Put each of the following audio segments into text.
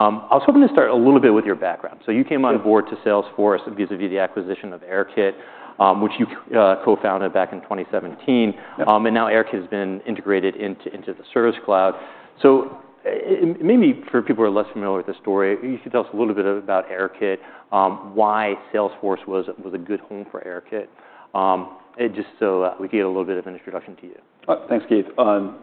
I was hoping to start a little bit with your background. So you came on board to Salesforce vis-à-vis the acquisition of Airkit, which you co-founded back in 2017. And now Airkit has been integrated into the Service Cloud. So maybe for people who are less familiar with the story, you could tell us a little bit about Airkit, why Salesforce was a good home for Airkit, just so we could get a little bit of an introduction to you. Thanks, Keith.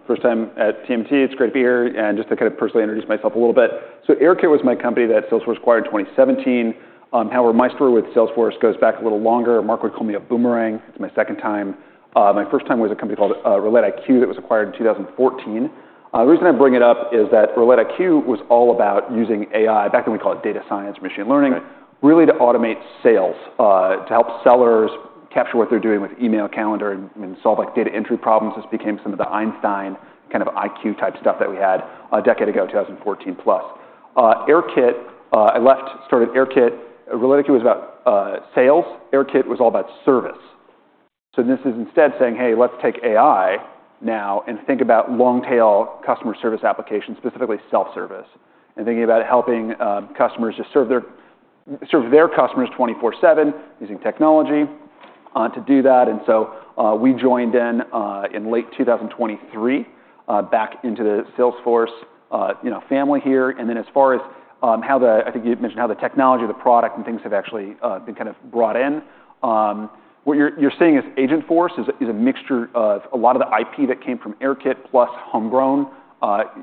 First time at TMT, it's great to be here, and just to kind of personally introduce myself a little bit, so Airkit was my company that Salesforce acquired in 2017. However, my story with Salesforce goes back a little longer. Marc would call me a boomerang. It's my second time. My first time was a company called RelateIQ that was acquired in 2014. The reason I bring it up is that RelateIQ was all about using AI. Back then, we called it data science or machine learning, really to automate sales, to help sellers capture what they're doing with email, calendar, and solve data entry problems. This became some of the Einstein kind of IQ type stuff that we had a decade ago, 2014 plus. Airkit, I left, started Airkit. RelateIQ was about sales. Airkit was all about service. So this is instead saying, "Hey, let's take AI now and think about long-tail customer service applications, specifically self-service, and thinking about helping customers just serve their customers 24/7 using technology to do that." And so we joined in late 2023 back into the Salesforce family here. And then as far as how the, I think you mentioned how the technology, the product, and things have actually been kind of brought in, what you're seeing is Agentforce is a mixture of a lot of the IP that came from Airkit plus homegrown.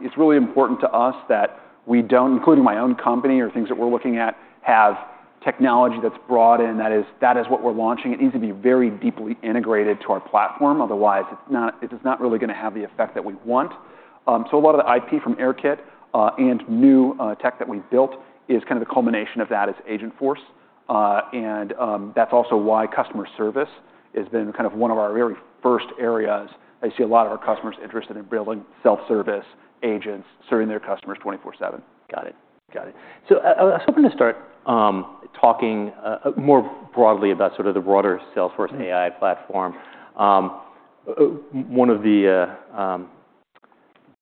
It's really important to us that we don't, including my own company or things that we're looking at, have technology that's brought in. That is what we're launching. It needs to be very deeply integrated to our platform. Otherwise, it's not really going to have the effect that we want. So a lot of the IP from Airkit and new tech that we built is kind of the culmination of that as Agentforce. And that's also why customer service has been kind of one of our very first areas. I see a lot of our customers interested in building self-service agents serving their customers 24/7. Got it. Got it. So I was hoping to start talking more broadly about sort of the broader Salesforce AI platform. One of the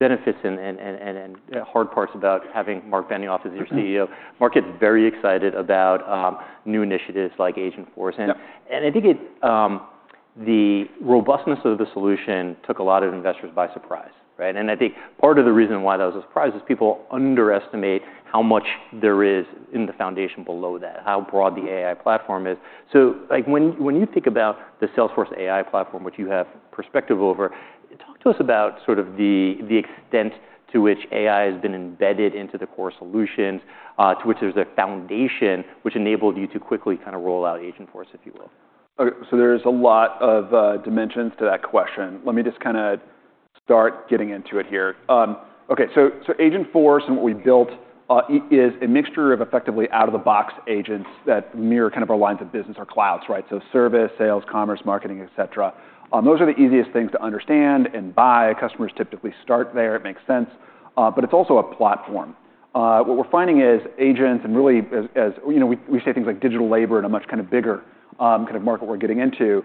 benefits and hard parts about having Marc Benioff as your CEO, Marc gets very excited about new initiatives like Agentforce. And I think the robustness of the solution took a lot of investors by surprise. And I think part of the reason why that was a surprise is people underestimate how much there is in the foundation below that, how broad the AI platform is. So when you think about the Salesforce AI platform, which you have perspective over, talk to us about sort of the extent to which AI has been embedded into the core solutions, to which there's a foundation which enabled you to quickly kind of roll out Agentforce, if you will. So there's a lot of dimensions to that question. Let me just kind of start getting into it here. OK, so Agentforce and what we built is a mixture of effectively out-of-the-box agents that mirror kind of our lines of business or clouds, right? So service, sales, commerce, marketing, et cetera. Those are the easiest things to understand and buy. Customers typically start there. It makes sense. But it's also a platform. What we're finding is agents and really, as we say, things like digital labor in a much kind of bigger kind of market we're getting into,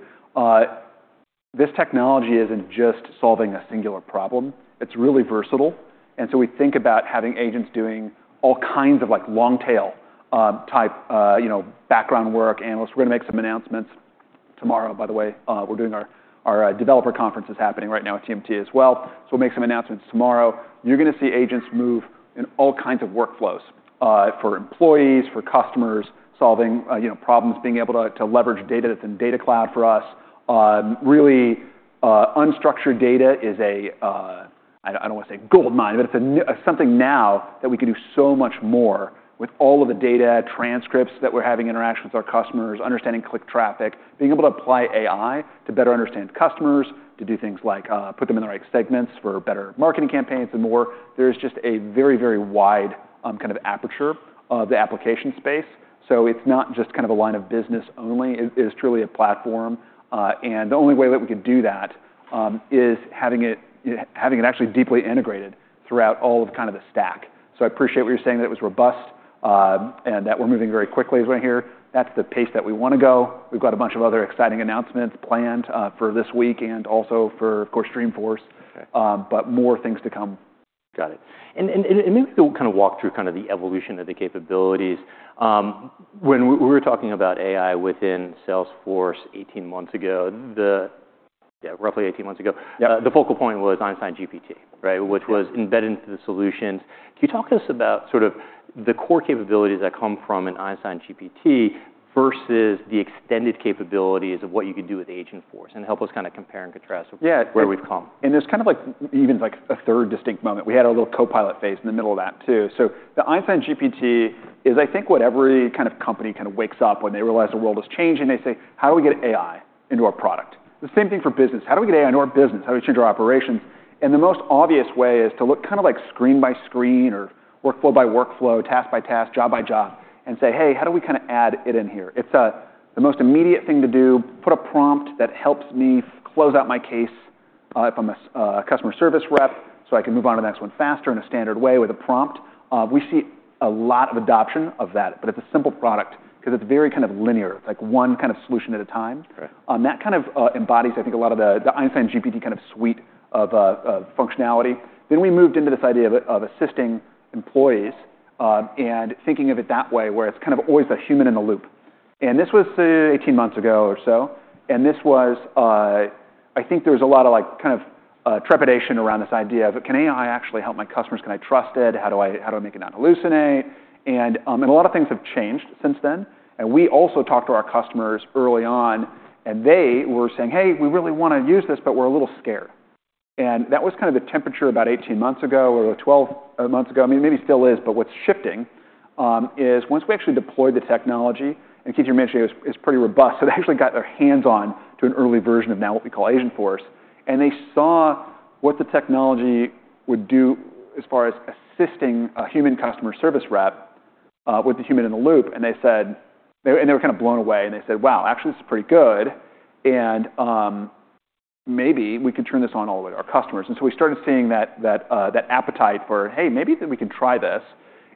this technology isn't just solving a singular problem. It's really versatile. And so we think about having agents doing all kinds of long-tail type background work. We're going to make some announcements tomorrow, by the way. We're doing our developer conferences happening right now at TMT as well. So we'll make some announcements tomorrow. You're going to see agents move in all kinds of workflows for employees, for customers, solving problems, being able to leverage data that's in Data Cloud for us. Really, unstructured data is a, I don't want to say goldmine, but it's something now that we can do so much more with all of the data, transcripts that we're having, interactions with our customers, understanding click traffic, being able to apply AI to better understand customers, to do things like put them in the right segments for better marketing campaigns and more. There is just a very, very wide kind of aperture of the application space. So it's not just kind of a line of business only. It is truly a platform. And the only way that we could do that is having it actually deeply integrated throughout all of kind of the stack. So I appreciate what you're saying that it was robust and that we're moving very quickly as we're here. That's the pace that we want to go. We've got a bunch of other exciting announcements planned for this week and also for, of course, Dreamforce, but more things to come. Got it. And maybe we'll kind of walk through kind of the evolution of the capabilities. When we were talking about AI within Salesforce 18 months ago, roughly 18 months ago, the focal point was Einstein GPT, which was embedded into the solutions. Can you talk to us about sort of the core capabilities that come from an Einstein GPT versus the extended capabilities of what you could do with Agentforce and help us kind of compare and contrast where we've come? There's kind of like even like a third distinct moment. We had a little copilot phase in the middle of that too. The Einstein GPT is, I think, what every kind of company kind of wakes up when they realize the world is changing. They say, how do we get AI into our product? The same thing for business. How do we get AI into our business? How do we change our operations? The most obvious way is to look kind of like screen by screen or workflow by workflow, task by task, job by job, and say, hey, how do we kind of add it in here? It's the most immediate thing to do. Put a prompt that helps me close out my case if I'm a customer service rep so I can move on to the next one faster in a standard way with a prompt. We see a lot of adoption of that, but it's a simple product because it's very kind of linear. It's like one kind of solution at a time. That kind of embodies, I think, a lot of the Einstein GPT kind of suite of functionality. Then we moved into this idea of assisting employees and thinking of it that way where it's kind of always the human in the loop. And this was 18 months ago or so. And this was, I think there was a lot of kind of trepidation around this idea of, can AI actually help my customers? Can I trust it? How do I make it not hallucinate? A lot of things have changed since then. We also talked to our customers early on, and they were saying, hey, we really want to use this, but we're a little scared. That was kind of the temperature about 18 months ago or 12 months ago. I mean, maybe still is, but what's shifting is once we actually deployed the technology, and Keith, you mentioned it was pretty robust. So they actually got their hands on to an early version of now what we call Agentforce. They saw what the technology would do as far as assisting a human customer service rep with the human in the loop. They said, and they were kind of blown away. They said, wow, actually, this is pretty good. Maybe we could turn this on all the way to our customers. And so we started seeing that appetite for, hey, maybe we can try this.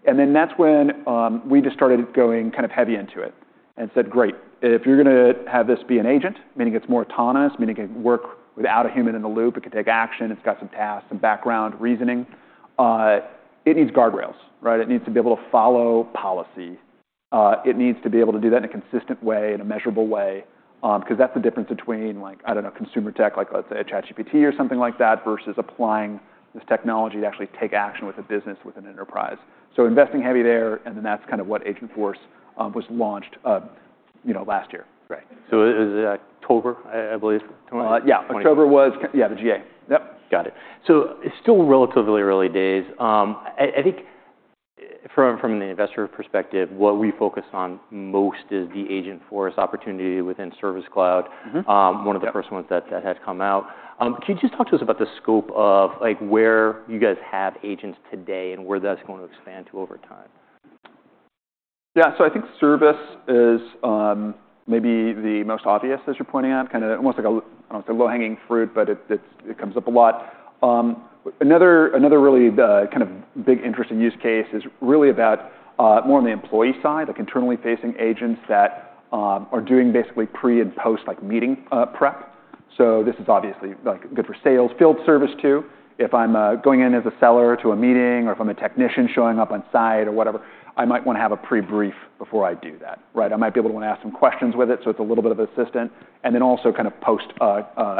And then that's when we just started going kind of heavy into it and said, great. If you're going to have this be an agent, meaning it's more autonomous, meaning it can work without a human in the loop, it can take action, it's got some tasks, some background reasoning, it needs guardrails. It needs to be able to follow policy. It needs to be able to do that in a consistent way, in a measurable way, because that's the difference between consumer tech, like let's say a ChatGPT or something like that, versus applying this technology to actually take action with a business, with an enterprise. So investing heavy there, and then that's kind of what Agentforce was launched last year. So it was October, I believe. Yeah, October was the GA. Yep. Got it. So still relatively early days. I think from the investor perspective, what we focus on most is the Agentforce opportunity within Service Cloud, one of the first ones that had come out. Can you just talk to us about the scope of where you guys have agents today and where that's going to expand to over time? Yeah, so I think service is maybe the most obvious, as you're pointing out, kind of almost like a low-hanging fruit, but it comes up a lot. Another really kind of big interesting use case is really about more on the employee side, like internally facing agents that are doing basically pre and post meeting prep. So this is obviously good for sales, field service too. If I'm going in as a seller to a meeting, or if I'm a technician showing up on site or whatever, I might want to have a pre-brief before I do that. I might be able to want to ask some questions with it, so it's a little bit of an assistant, and then also kind of post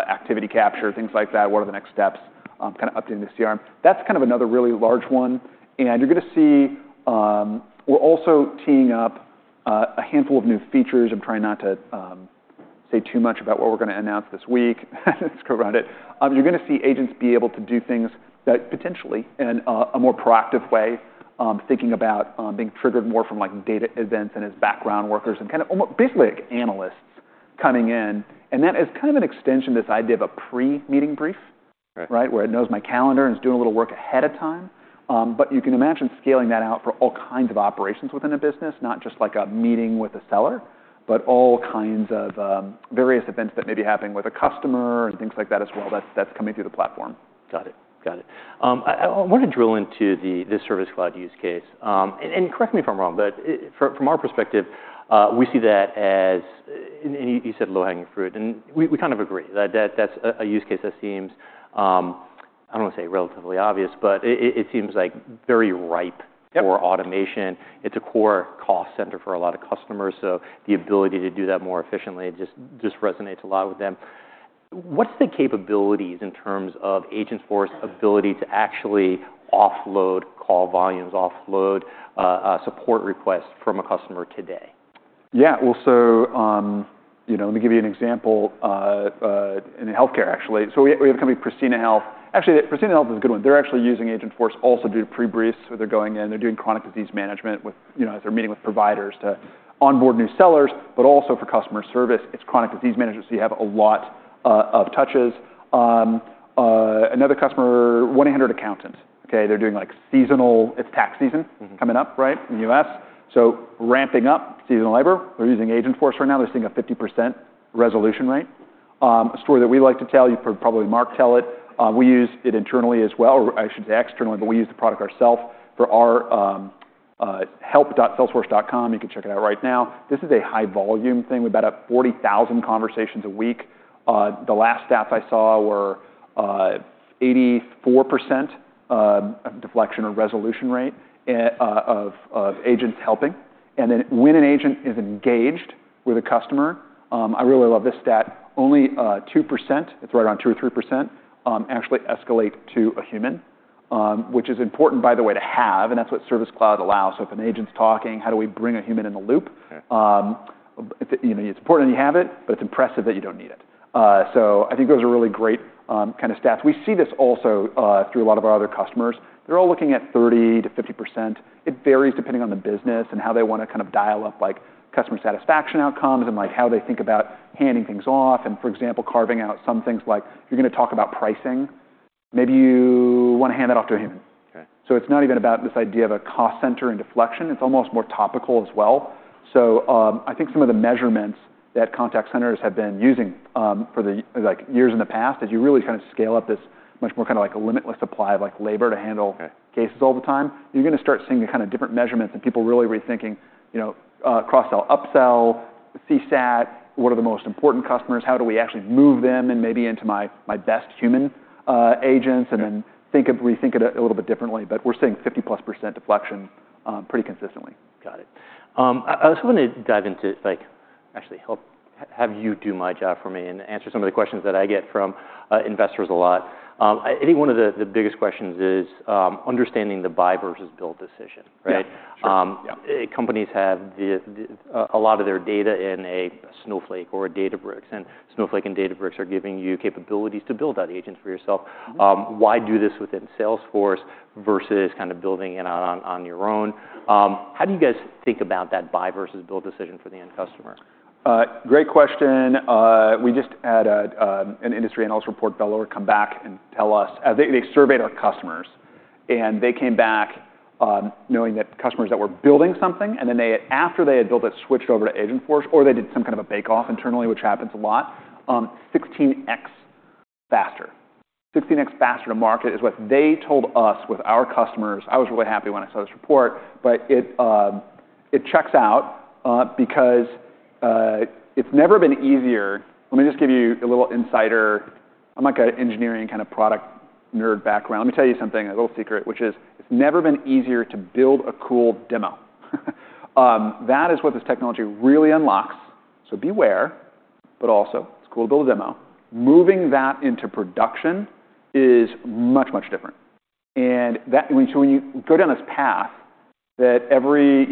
activity capture, things like that, what are the next steps, kind of updating the CRM. That's kind of another really large one. You're going to see we're also teeing up a handful of new features. I'm trying not to say too much about what we're going to announce this week. Let's go around it. You're going to see agents be able to do things that potentially in a more proactive way, thinking about being triggered more from data events and as background workers and kind of basically analysts coming in. And that is kind of an extension of this idea of a pre-meeting brief, where it knows my calendar and is doing a little work ahead of time. But you can imagine scaling that out for all kinds of operations within a business, not just like a meeting with a seller, but all kinds of various events that may be happening with a customer and things like that as well, that's coming through the platform. Got it. Got it. I want to drill into the Service Cloud use case. And correct me if I'm wrong, but from our perspective, we see that as, and you said low-hanging fruit. And we kind of agree that that's a use case that seems, I don't want to say relatively obvious, but it seems like very ripe for automation. It's a core cost center for a lot of customers. So the ability to do that more efficiently just resonates a lot with them. What's the capabilities in terms of Agentforce's ability to actually offload call volumes, offload support requests from a customer today? Yeah, well, so let me give you an example in health care, actually. So we have a company called Prisma Health. Actually, Prisma Health is a good one. They're actually using Agentforce also due to pre-briefs where they're going in. They're doing chronic disease management as they're meeting with providers to onboard new sellers, but also for customer service, it's chronic disease management. So you have a lot of touches. Another customer, 1-800Accountant. They're doing like seasonal, it's tax season coming up in the U.S. So ramping up seasonal labor. They're using Agentforce right now. They're seeing a 50% resolution rate. A story that we like to tell, you probably Marc tell it. We use it internally as well, or I should say externally, but we use the product ourselves for our help.salesforce.com. You can check it out right now. This is a high volume thing. We've got about 40,000 conversations a week. The last stats I saw were 84% deflection or resolution rate of agents helping. And then when an agent is engaged with a customer, I really love this stat, only 2%. It's right around 2% or 3% actually escalate to a human, which is important, by the way, to have. And that's what Service Cloud allows. So if an agent's talking, how do we bring a human in the loop? It's important that you have it, but it's impressive that you don't need it. So I think those are really great kind of stats. We see this also through a lot of our other customers. They're all looking at 30%-50%. It varies depending on the business and how they want to kind of dial up customer satisfaction outcomes and how they think about handing things off. For example, carving out some things like you're going to talk about pricing. Maybe you want to hand that off to a human. It's not even about this idea of a cost center and deflection. It's almost more topical as well. I think some of the measurements that contact centers have been using for years in the past, as you really kind of scale up this much more kind of like limitless supply of labor to handle cases all the time, you're going to start seeing the kind of different measurements and people really rethinking cross-sell, upsell, CSAT, what are the most important customers, how do we actually move them and maybe into my best human agents, and then rethink it a little bit differently. We're seeing 50% plus deflection pretty consistently. Got it. I also want to dive into, actually, I'll have you do my job for me and answer some of the questions that I get from investors a lot. I think one of the biggest questions is understanding the buy versus build decision. Companies have a lot of their data in a Snowflake or a Databricks, and Snowflake and Databricks are giving you capabilities to build out agents for yourself. Why do this within Salesforce versus kind of building it on your own? How do you guys think about that buy versus build decision for the end customer? Great question. We just had an industry analyst report, Valoir, come back and tell us they surveyed our customers and they came back knowing that customers that were building something, and then after they had built it, switched over to Agentforce, or they did some kind of a bake-off internally, which happens a lot, 16X faster. 16X faster to market is what they told us with our customers. I was really happy when I saw this report, but it checks out because it's never been easier. Let me just give you a little insider. I'm like an engineering kind of product nerd background. Let me tell you something, a little secret, which is it's never been easier to build a cool demo. That is what this technology really unlocks. So beware, but also it's cool to build a demo. Moving that into production is much, much different. And so when you go down this path that every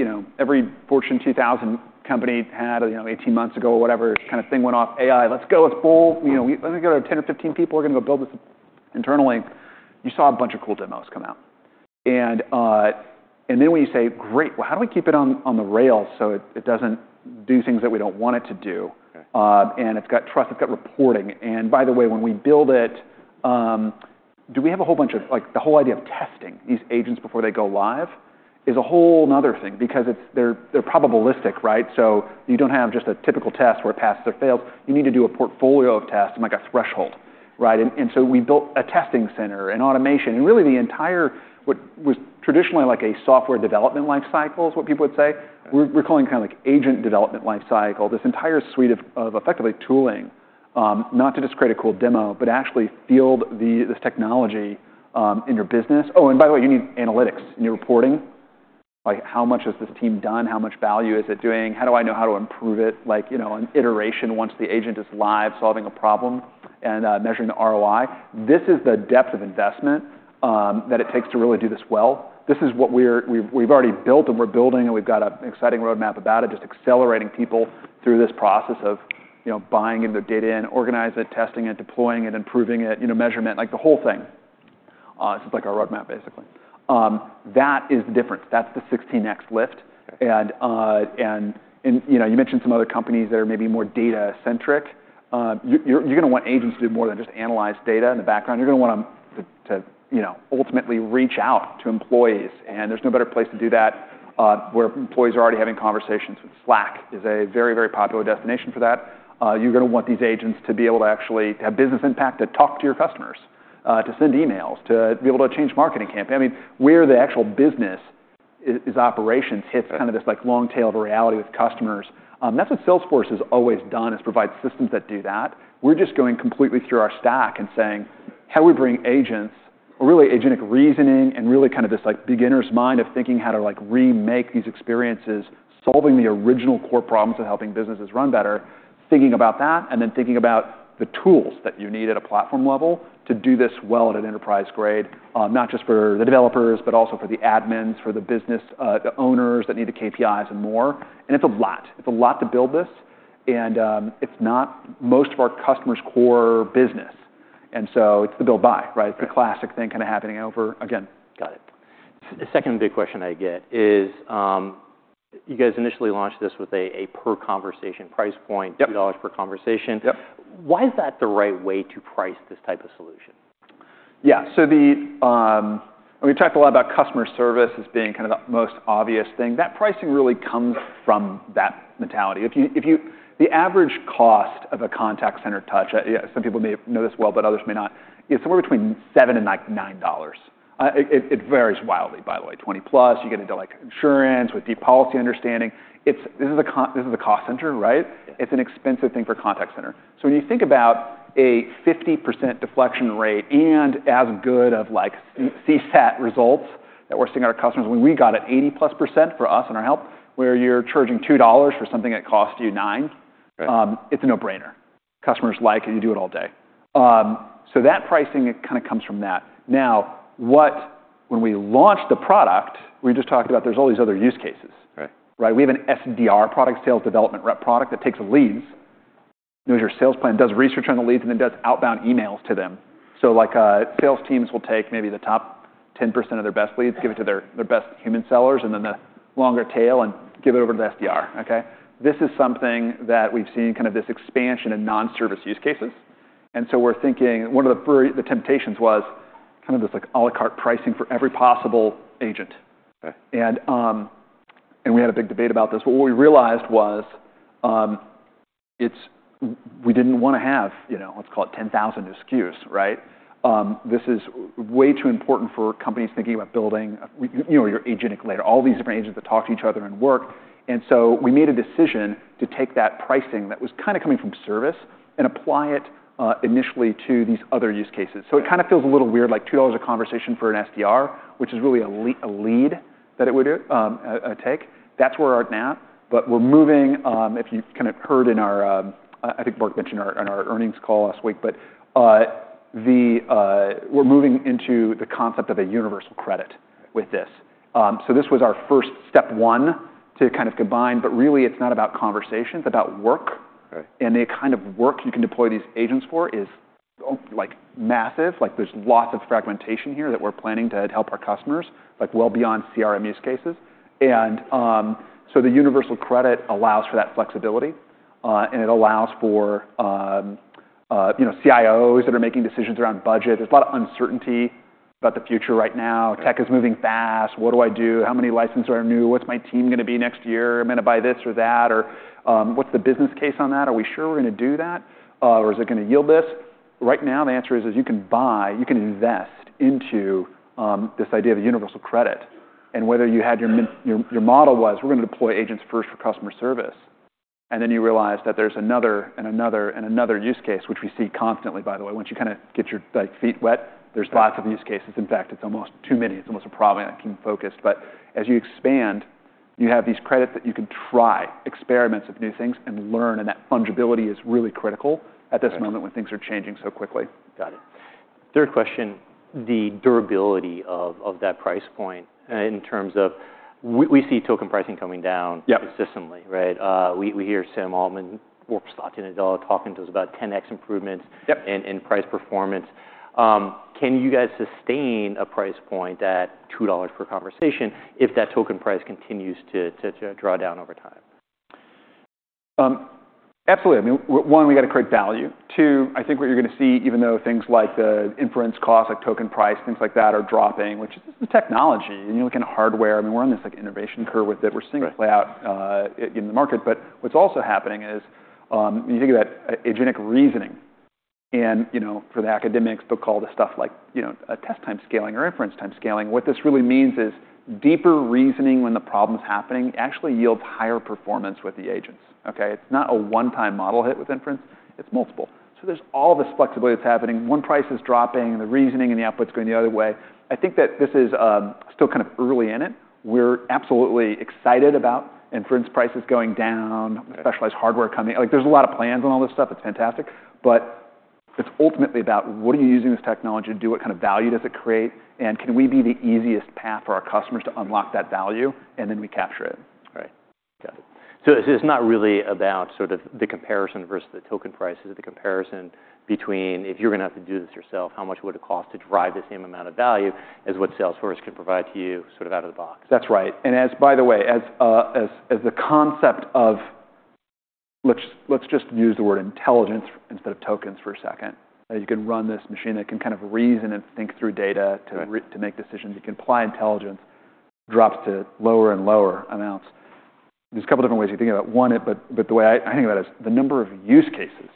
Fortune 2000 company had 18 months ago or whatever kind of thing went off on AI, let's go, let's build. Let me get 10 or 15 people. We're going to go build this internally. You saw a bunch of cool demos come out. And then when you say, great, well, how do we keep it on the rails so it doesn't do things that we don't want it to do? And it's got trust, it's got reporting. And by the way, when we build it, do we have a whole bunch of the whole idea of testing these agents before they go live is a whole nother thing because they're probabilistic. So you don't have just a typical test where it passes or fails. You need to do a portfolio of tests and like a threshold. And so we built a testing center, an automation, and really the entire what was traditionally like a software development life cycle, is what people would say. We're calling it kind of like agent development life cycle, this entire suite of effectively tooling, not to just create a cool demo, but actually field this technology in your business. Oh, and by the way, you need analytics in your reporting. How much has this team done? How much value is it doing? How do I know how to improve it? An iteration once the agent is live, solving a problem and measuring the ROI. This is the depth of investment that it takes to really do this well. This is what we've already built and we're building, and we've got an exciting roadmap about it, just accelerating people through this process of buying in their data and organizing it, testing it, deploying it, improving it, measurement, like the whole thing. This is like our roadmap, basically. That is the difference. That's the 16X lift, and you mentioned some other companies that are maybe more data-centric. You're going to want agents to do more than just analyze data in the background. You're going to want them to ultimately reach out to employees, and there's no better place to do that where employees are already having conversations. Slack is a very, very popular destination for that. You're going to want these agents to be able to actually have business impact, to talk to your customers, to send emails, to be able to change marketing campaigns. I mean, where the actual business is operations hits kind of this long tail of a reality with customers. That's what Salesforce has always done, is provide systems that do that. We're just going completely through our stack and saying, how do we bring agents, or really agentic reasoning, and really kind of this beginner's mind of thinking how to remake these experiences, solving the original core problems of helping businesses run better, thinking about that, and then thinking about the tools that you need at a platform level to do this well at an enterprise grade, not just for the developers, but also for the admins, for the business owners that need the KPIs and more. And it's a lot. It's a lot to build this. And it's not most of our customers' core business. And so it's the build vs. buy, right? It's the classic thing kind of happening over again. Got it. The second big question I get is you guys initially launched this with a per-conversation price point, $3 per conversation. Why is that the right way to price this type of solution? Yeah, so we talked a lot about customer service as being kind of the most obvious thing. That pricing really comes from that mentality. The average cost of a contact center touch, some people may know this well, but others may not, is somewhere between $7 and $9. It varies wildly, by the way. $20-plus, you get into insurance with deep policy understanding. This is a cost center, right? It's an expensive thing for a contact center. So when you think about a 50% deflection rate and as good of CSAT results that we're seeing our customers, when we got it 80% plus for us and our help, where you're charging $2 for something that costs you $9, it's a no-brainer. Customers like it. You do it all day. So that pricing kind of comes from that. Now, when we launched the product, we just talked about there's all these other use cases. We have an SDR, a sales development rep product, that takes leads, knows your sales plan, does research on the leads, and then does outbound emails to them, so sales teams will take maybe the top 10% of their best leads, give it to their best human sellers, and then the longer tail and give it over to the SDR. This is something that we've seen kind of this expansion in non-service use cases, and so we're thinking one of the temptations was kind of this à la carte pricing for every possible agent. And we had a big debate about this, but what we realized was we didn't want to have, let's call it 10,000 excuses. This is way too important for companies thinking about building your agentic layer, all these different agents that talk to each other and work. We made a decision to take that pricing that was kind of coming from service and apply it initially to these other use cases. It kind of feels a little weird, like $2 a conversation for an SDR, which is really a lead that it would take. That's where we're at now. We're moving, if you kind of heard in our, I think Marc mentioned on our earnings call last week. We're moving into the concept of a universal credit with this. This was our first step one to kind of combine. Really, it's not about conversation. It's about work. The kind of work you can deploy these agents for is massive. There's lots of fragmentation here that we're planning to help our customers, like well beyond CRM use cases. So the Universal Credits allows for that flexibility. It allows for CIOs that are making decisions around budget. There's a lot of uncertainty about the future right now. Tech is moving fast. What do I do? How many licenses do I need? What's my team going to be next year? I'm going to buy this or that. Or what's the business case on that? Are we sure we're going to do that? Or is it going to yield this? Right now, the answer is you can buy. You can invest into this idea of a Universal Credits. Whatever your model was, we're going to deploy agents first for customer service. And then you realize that there's another and another and another use case, which we see constantly, by the way. Once you kind of get your feet wet, there's lots of use cases. In fact, it's almost too many. It's almost a problem that can be focused. But as you expand, you have these credits that you can try experiments of new things and learn. And that fungibility is really critical at this moment when things are changing so quickly. Got it. Third question, the durability of that price point in terms of we see token pricing coming down consistently. We hear Sam Altman, Uncertain, and Satya Nadella talking to us about 10X improvements in price performance. Can you guys sustain a price point at $2 per conversation if that token price continues to draw down over time? Absolutely. One, we got to create value. Two, I think what you're going to see, even though things like the inference cost, like token price, things like that are dropping, which is the technology. And you look at hardware. I mean, we're on this innovation curve with it. We're seeing it play out in the market. But what's also happening is you think about agentic reasoning. And for the academics, they'll call this stuff like test time scaling or inference time scaling. What this really means is deeper reasoning when the problem's happening actually yields higher performance with the agents. It's not a one-time model hit with inference. It's multiple. So there's all this flexibility that's happening. One price is dropping. The reasoning and the output's going the other way. I think that this is still kind of early in it. We're absolutely excited about inference prices going down, specialized hardware coming. There's a lot of plans on all this stuff. It's fantastic, but it's ultimately about what are you using this technology to do? What kind of value does it create? And can we be the easiest path for our customers to unlock that value, and then we capture it. Right. Got it. So it's not really about sort of the comparison versus the token prices. It's the comparison between if you're going to have to do this yourself, how much would it cost to drive the same amount of value as what Salesforce can provide to you sort of out of the box. That's right. And by the way, as the concept of let's just use the word intelligence instead of tokens for a second. You can run this machine that can kind of reason and think through data to make decisions. You can apply intelligence. It drops to lower and lower amounts. There's a couple of different ways you think about it. One, but the way I think about it is the number of use cases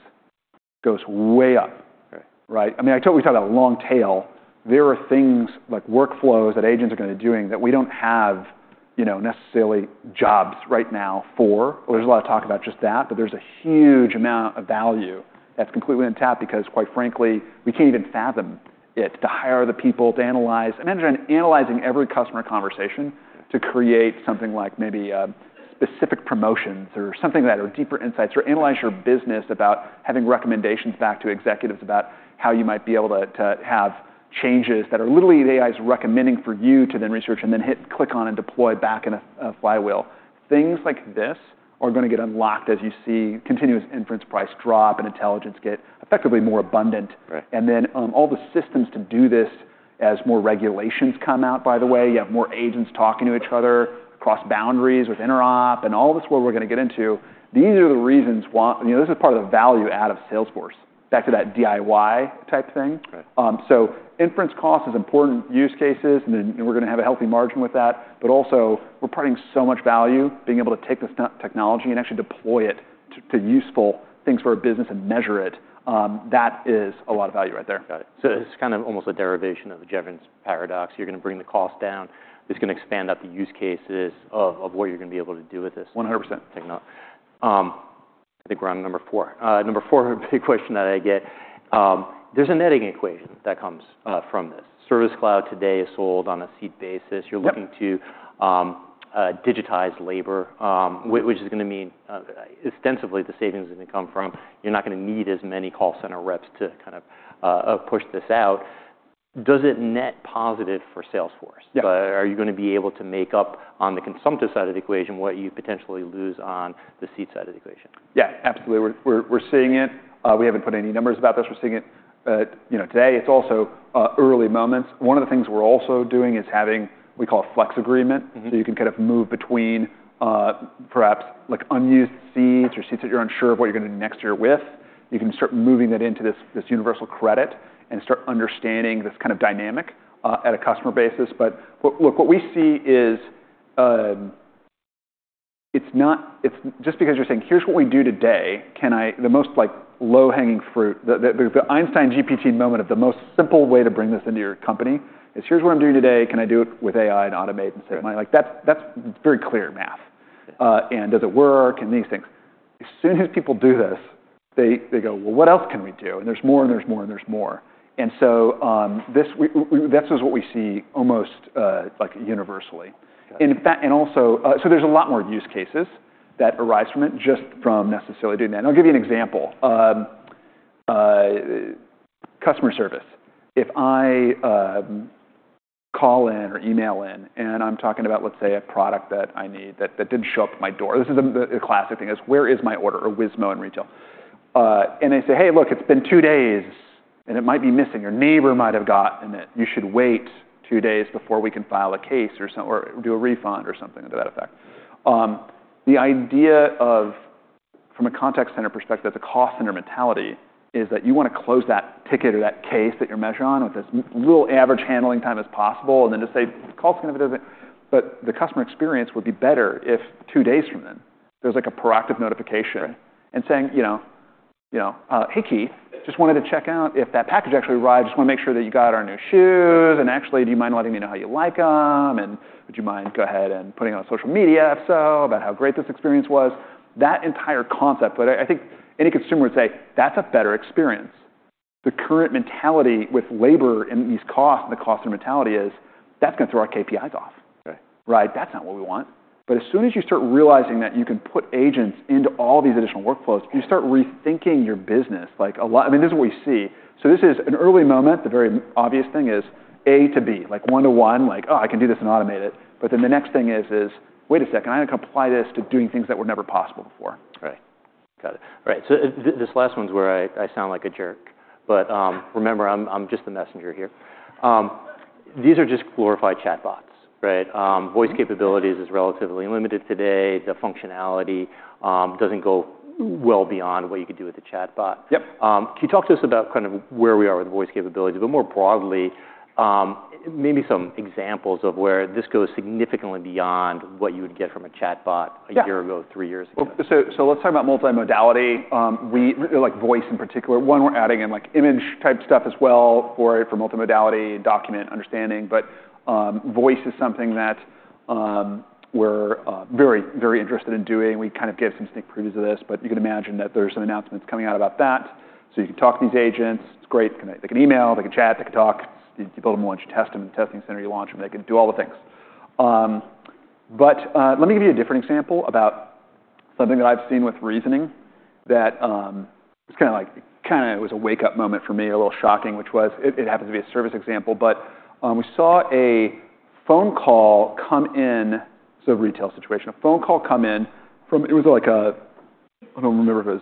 goes way up. I mean, we talked about long tail. There are things like workflows that agents are going to be doing that we don't have necessarily jobs right now for. There's a lot of talk about just that. But there's a huge amount of value that's completely untapped because, quite frankly, we can't even fathom it to hire the people to analyze. Imagine analyzing every customer conversation to create something like maybe specific promotions or something that are deeper insights or analyze your business about having recommendations back to executives about how you might be able to have changes that are literally the AI's recommending for you to then research and then click on and deploy back in a flywheel. Things like this are going to get unlocked as you see continuous inference price drop and intelligence get effectively more abundant. And then all the systems to do this as more regulations come out, by the way. You have more agents talking to each other across boundaries with interop and all this where we're going to get into. These are the reasons this is part of the value add of Salesforce, back to that DIY type thing. So inference cost is important use cases. And then we're going to have a healthy margin with that. But also, we're providing so much value being able to take this technology and actually deploy it to useful things for our business and measure it. That is a lot of value right there. Got it. So this is kind of almost a derivation of the Jevons Paradox. You're going to bring the cost down. It's going to expand out the use cases of what you're going to be able to do with this. 100%. I think we're on number four. Number four, a big question that I get. There's a netting equation that comes from this. Service Cloud today is sold on a seat basis. You're looking to digitize labor, which is going to mean extensively the savings are going to come from. You're not going to need as many call center reps to kind of push this out. Does it net positive for Salesforce? Are you going to be able to make up on the consumptive side of the equation what you potentially lose on the seat side of the equation? Yeah, absolutely. We're seeing it. We haven't put any numbers about this. We're seeing it today. It's also early moments. One of the things we're also doing is having what we call a flex agreement. So you can kind of move between perhaps unused seats or seats that you're unsure of what you're going to do next year with. You can start moving that into this universal credits and start understanding this kind of dynamic at a customer basis. But look, what we see is just because you're saying, here's what we do today. The most low-hanging fruit, the Einstein GPT moment of the most simple way to bring this into your company is here's what I'm doing today. Can I do it with AI and automate and save money? That's very clear math, and does it work and these things? As soon as people do this, they go, well, what else can we do? And there's more and there's more and there's more. And so this is what we see almost universally. And also, so there's a lot more use cases that arise from it just from necessarily doing that. And I'll give you an example. Customer service. If I call in or email in and I'm talking about, let's say, a product that I need that didn't show up at my door, this is a classic thing is where is my order or WISMO in retail? And they say, hey, look, it's been two days and it might be missing. Your neighbor might have gotten it. You should wait two days before we can file a case or do a refund or something to that effect. The idea of, from a contact center perspective, the cost center mentality is that you want to close that ticket or that case that you're measuring on with as little average handling time as possible and then just say, call us again if it doesn't. But the customer experience would be better if two days from then there's like a proactive notification and saying, hey, Keith, just wanted to check out if that package actually arrived. Just want to make sure that you got our new shoes. And actually, do you mind letting me know how you like them? And would you mind going ahead and putting it on social media if so about how great this experience was? That entire concept. But I think any consumer would say, that's a better experience. The current mentality with labor and these costs and the cost center mentality is, that's going to throw our KPIs off. That's not what we want. But as soon as you start realizing that you can put agents into all these additional workflows, you start rethinking your business. I mean, this is what we see. So this is an early moment. The very obvious thing is A to B, like one to one, like, oh, I can do this and automate it. But then the next thing is, wait a second, I'm going to apply this to doing things that were never possible before. Right. Got it. Right. So this last one's where I sound like a jerk. But remember, I'm just the messenger here. These are just glorified chatbots. Voice capabilities are relatively limited today. The functionality doesn't go well beyond what you could do with a chatbot. Can you talk to us about kind of where we are with voice capabilities, but more broadly, maybe some examples of where this goes significantly beyond what you would get from a chatbot a year ago, three years ago? So let's talk about multimodality, like voice in particular. One, we're adding in image type stuff as well for multimodality, document understanding. But voice is something that we're very, very interested in doing. We kind of gave some sneak previews of this. But you can imagine that there's some announcements coming out about that. So you can talk to these agents. It's great. They can email. They can chat. They can talk. You build them a launch, you test them in the testing center. You launch them. They can do all the things. But let me give you a different example about something that I've seen with reasoning that was kind of like was a wake-up moment for me, a little shocking, which was it happens to be a service example. But we saw a phone call come in. It's a retail situation. A phone call came in from. It was like a. I don't remember if it was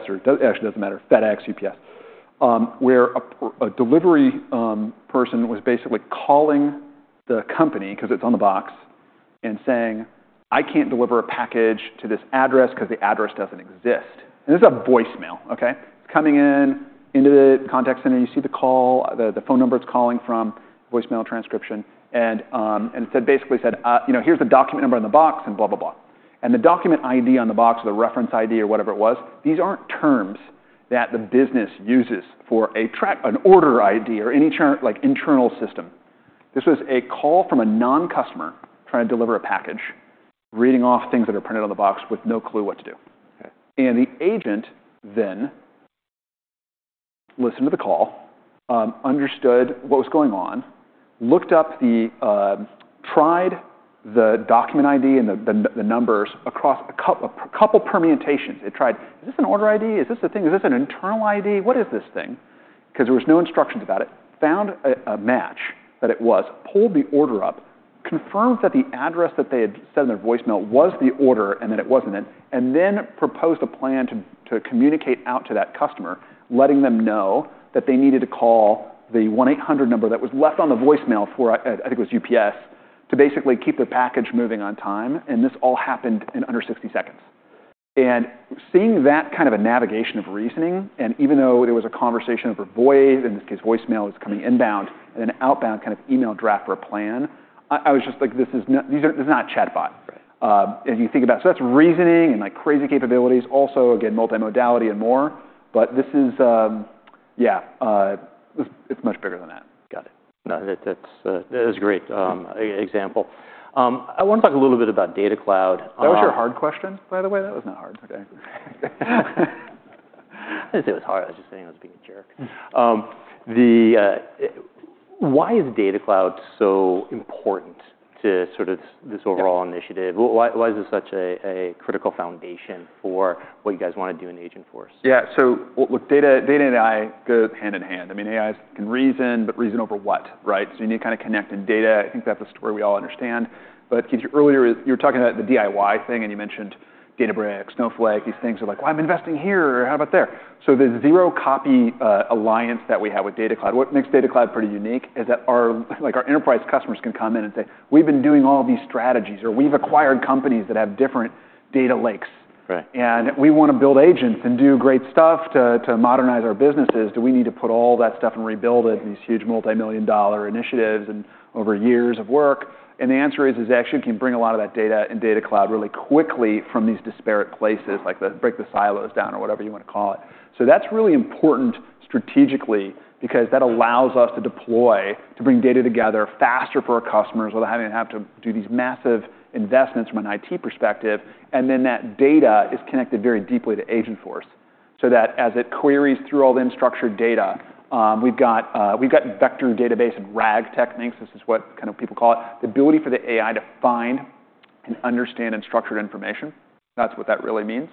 UPS or, actually, it doesn't matter. FedEx, UPS, where a delivery person was basically calling the company because it's on the box and saying, "I can't deliver a package to this address because the address doesn't exist," and this is a voicemail. It's coming into the contact center. You see the call, the phone number it's calling from, voicemail transcription, and it basically said, "Here's the document number on the box and blah, blah, blah," and the document ID on the box or the reference ID or whatever it was, these aren't terms that the business uses for an order ID or any internal system. This was a call from a non-customer trying to deliver a package, reading off things that are printed on the box with no clue what to do. And the agent then listened to the call, understood what was going on, looked up, tried the document ID and the numbers across a couple of permutations. It tried, "Is this an order ID? Is this a thing? Is this an internal ID? What is this thing?" Because there were no instructions about it. It found a match that it was, pulled the order up, confirmed that the address that they had said in their voicemail was the order and that it wasn't it, and then proposed a plan to communicate out to that customer, letting them know that they needed to call the 1-800 number that was left on the voicemail for, I think it was UPS, to basically keep their package moving on time. And this all happened in under 60 seconds. Seeing that kind of a navigation of reasoning, and even though there was a conversation over voice, in this case, voicemail was coming inbound and then outbound kind of email draft for a plan, I was just like, this is not a chatbot. You think about so that's reasoning and crazy capabilities. Also, again, multimodality and more. But this is, yeah, it's much bigger than that. Got it. That is a great example. I want to talk a little bit about Data Cloud. That was your hard question, by the way? That was not hard. I didn't say it was hard. I was just saying I was being a jerk. Why is Data Cloud so important to sort of this overall initiative? Why is this such a critical foundation for what you guys want to do in Agentforce? Yeah. So data and AI go hand in hand. I mean, AI can reason, but reason over what? So you need to kind of connect in data. I think that's a story we all understand. But Keith, earlier you were talking about the DIY thing. And you mentioned Databricks, Snowflake. These things are like, well, I'm investing here. How about there? So the Zero Copy Alliance that we have with Data Cloud, what makes Data Cloud pretty unique is that our enterprise customers can come in and say, we've been doing all these strategies or we've acquired companies that have different data lakes. And we want to build agents and do great stuff to modernize our businesses. Do we need to put all that stuff and rebuild it in these huge multimillion-dollar initiatives and over years of work? And the answer is actually you can bring a lot of that data in Data Cloud really quickly from these disparate places, like break the silos down or whatever you want to call it. So that's really important strategically because that allows us to deploy, to bring data together faster for our customers without having to do these massive investments from an IT perspective. And then that data is connected very deeply to Agentforce so that as it queries through all the unstructured data, we've got vector database and RAG techniques. This is what kind of people call it. The ability for the AI to find and understand unstructured information. That's what that really means.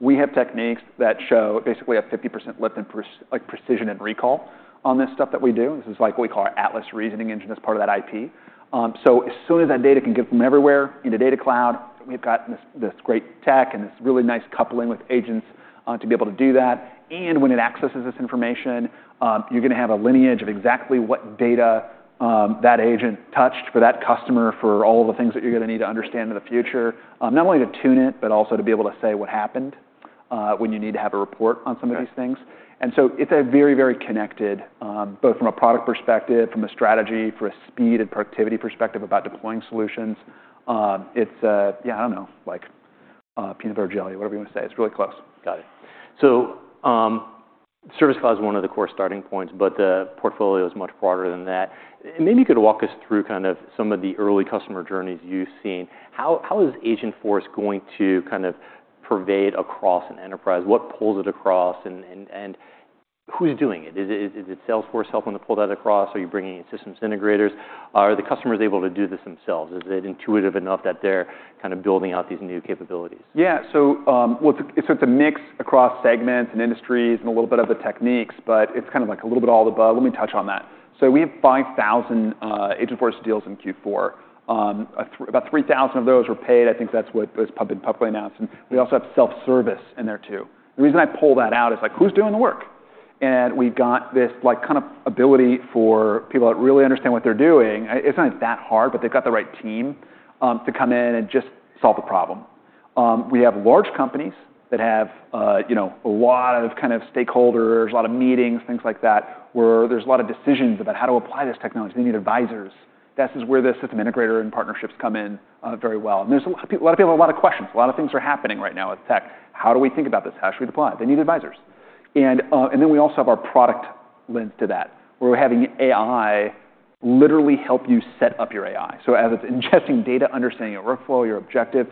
We have techniques that show basically a 50% lift in precision and recall on this stuff that we do. This is like what we call our Atlas Reasoning Engine as part of that IP. So as soon as that data can get from everywhere into Data Cloud, we've got this great tech and this really nice coupling with agents to be able to do that. And when it accesses this information, you're going to have a lineage of exactly what data that agent touched for that customer for all the things that you're going to need to understand in the future, not only to tune it, but also to be able to say what happened when you need to have a report on some of these things. And so it's a very, very connected, both from a product perspective, from a strategy, from a speed and productivity perspective about deploying solutions. It's, yeah, I don't know, like peanut butter jelly, whatever you want to say. It's really close. Got it. So Service Cloud is one of the core starting points, but the portfolio is much broader than that. Maybe you could walk us through kind of some of the early customer journeys you've seen. How is Agentforce going to kind of pervade across an enterprise? What pulls it across? And who's doing it? Is it Salesforce helping to pull that across? Are you bringing in systems integrators? Are the customers able to do this themselves? Is it intuitive enough that they're kind of building out these new capabilities? Yeah. So it's a mix across segments and industries and a little bit of the techniques. But it's kind of like a little bit all above. Let me touch on that. So we have 5,000 Agentforce deals in Q4. About 3,000 of those were paid. I think that's what was publicly announced. And we also have self-service in there too. The reason I pull that out is like, who's doing the work? And we've got this kind of ability for people that really understand what they're doing. It's not that hard, but they've got the right team to come in and just solve the problem. We have large companies that have a lot of kind of stakeholders, a lot of meetings, things like that, where there's a lot of decisions about how to apply this technology. They need advisors. This is where the system integrator and partnerships come in very well. And there's a lot of people, a lot of questions. A lot of things are happening right now with tech. How do we think about this? How should we apply? They need advisors. And then we also have our product lens to that, where we're having AI literally help you set up your AI. So as it's ingesting data, understanding your workflow, your objective,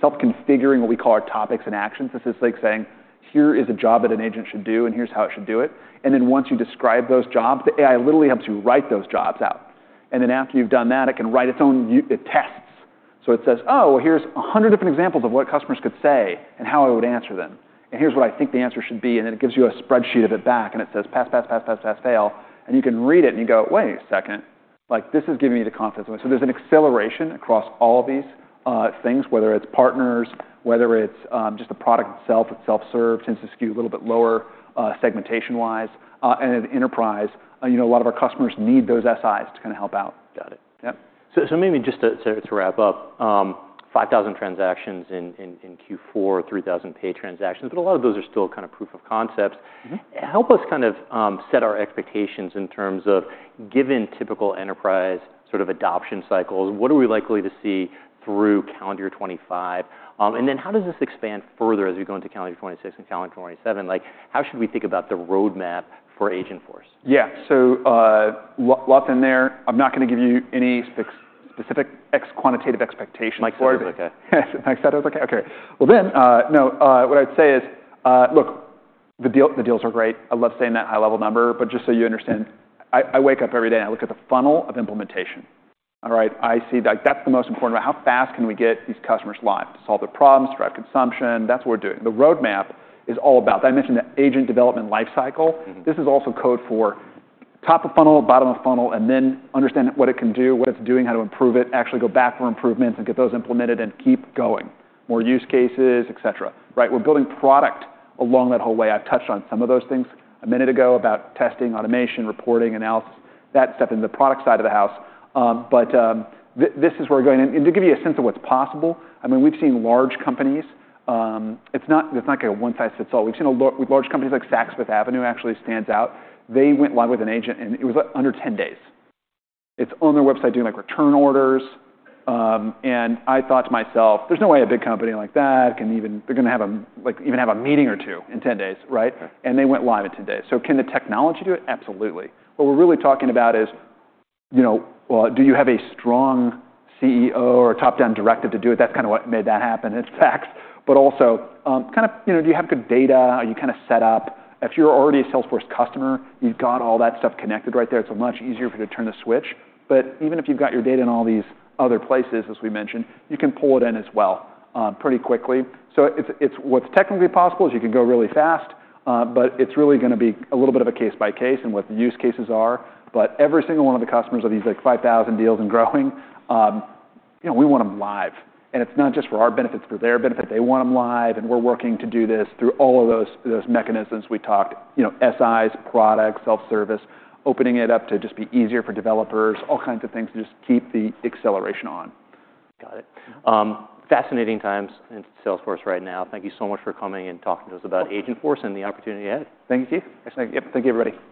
self-configuring what we call our topics and actions. This is like saying, here is a job that an agent should do, and here's how it should do it. And then once you describe those jobs, the AI literally helps you write those jobs out. And then after you've done that, it can write its own tests. So it says, "Oh, well, here's 100 different examples of what customers could say and how I would answer them." And here's what I think the answer should be. And then it gives you a spreadsheet of it back. And it says, pass, pass, pass, pass, pass, fail. And you can read it and you go, "Wait a second. This is giving me the confidence." So there's an acceleration across all these things, whether it's partners, whether it's just the product itself, self-serve tends to skew a little bit lower segmentation-wise. And in enterprise, a lot of our customers need those SIs to kind of help out. Got it. Yeah. So maybe just to wrap up, 5,000 transactions in Q4, 3,000 paid transactions. But a lot of those are still kind of proof of concepts. Help us kind of set our expectations in terms of, given typical enterprise sort of adoption cycles, what are we likely to see through calendar year 2025? And then how does this expand further as we go into calendar year 2026 and calendar year 2027? How should we think about the roadmap for Agentforce? Yeah. So lots in there. I'm not going to give you any specific quantitative expectations. Mike Spencer is OK. Mike Spencer is OK? OK. Well, then, no. What I would say is, look, the deals are great. I love saying that high-level number. But just so you understand, I wake up every day and I look at the funnel of implementation. I see that that's the most important one. How fast can we get these customers live to solve their problems, drive consumption? That's what we're doing. The roadmap is all about that. I mentioned the agent development life cycle. This is also code for top of funnel, bottom of funnel, and then understand what it can do, what it's doing, how to improve it, actually go back for improvements and get those implemented and keep going, more use cases, et cetera. We're building product along that whole way. I've touched on some of those things a minute ago about testing, automation, reporting, analysis, that stuff in the product side of the house, but this is where we're going, and to give you a sense of what's possible, I mean, we've seen large companies. It's not like a one-size-fits-all. We've seen large companies like Saks Fifth Avenue actually stands out. They went live with an agent, and it was under 10 days. It's on their website doing return orders, and I thought to myself, there's no way a big company like that can even have a meeting or two in 10 days, and they went live in 10 days, so can the technology do it? Absolutely. What we're really talking about is, do you have a strong CEO or top-down directive to do it? That's kind of what made that happen at Saks. But also, kind of, do you have good data? Are you kind of set up? If you're already a Salesforce customer, you've got all that stuff connected right there. It's much easier for you to turn the switch. But even if you've got your data in all these other places, as we mentioned, you can pull it in as well pretty quickly. So what's technically possible is you can go really fast. But it's really going to be a little bit of a case by case and what the use cases are. But every single one of the customers of these 5,000 deals and growing, we want them live. And it's not just for our benefit. It's for their benefit. They want them live. We're working to do this through all of those mechanisms we talked, SIs, product, self-service, opening it up to just be easier for developers, all kinds of things to just keep the acceleration on. Got it. Fascinating times in Salesforce right now. Thank you so much for coming and talking to us about Agentforce and the opportunity ahead. Thank you, Keith. Yep. Thank you, everybody.